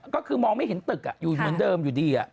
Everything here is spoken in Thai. ก็คือมองไม่เห็นตึกอยู่เหมือนเดิมอยู่ดี